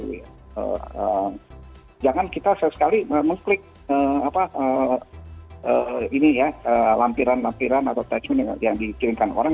jadi jangan kita sekali sekali mengklik lampiran lampiran atau attachment yang dikirimkan orang